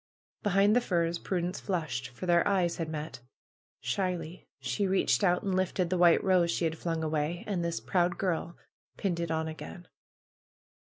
Behind the firs Prudence flushed, for their eyes had met. Shyly she reached out and lifted the white rose she had flung away. And this proud girl pinned it on again.